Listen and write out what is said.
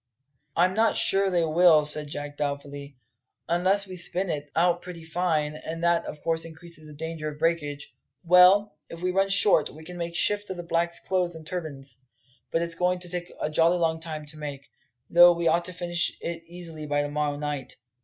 "I'm not sure they will," said Jack doubtfully, "unless we spin it, out pretty fine; and that, of course, increases the danger of breakage. Well, if we run short, we can make shift with the blacks' clothes and turbans. But it's going to take a jolly long time to make though we ought to finish it easily by to morrow night.